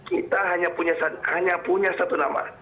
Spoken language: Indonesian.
kita hanya punya satu nama